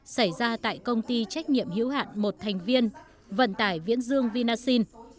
xảy ra tại công ty trách nhiệm hữu hạn một thành viên vận tải viễn dương vinasin